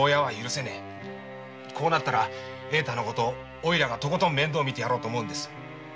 こうなったら栄太のこととことん面倒みてやろうと思うんです。